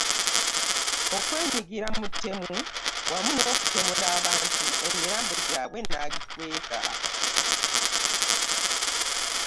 Okwenyigira mu ttemu wamu n'okutemula abantu emirambo gyabwe n'agikweka